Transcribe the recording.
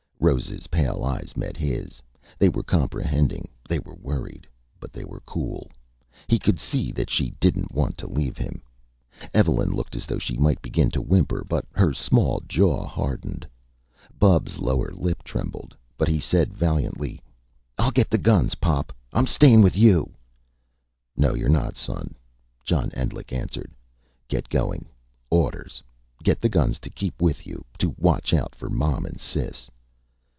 Rose's pale eyes met his. They were comprehending, they were worried, but they were cool. He could see that she didn't want to leave him. Evelyn looked as though she might begin to whimper; but her small jaw hardened. Bubs' lower lip trembled. But he said valiantly: "I'll get the guns, Pop, I'm stayin' with yuh." "No you're not, son," John Endlich answered. "Get going. Orders. Get the guns to keep with you to watch out for Mom and Sis."